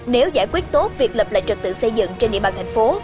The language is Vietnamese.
nếu giải quyết tốt việc lập lại trật tự xây dựng trên địa bàn thành phố